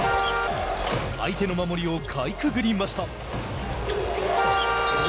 相手の守りをかいくぐりました。